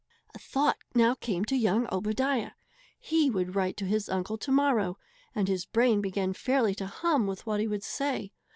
A thought now came to young Obadiah. He would write to his Uncle to morrow, and his brain began fairly to hum with what he would say.